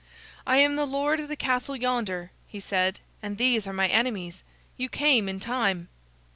"I am the lord of the castle yonder," he said, "and these are my enemies. You came in time."